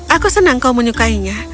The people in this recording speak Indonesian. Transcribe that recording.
aku senang kau menyukainya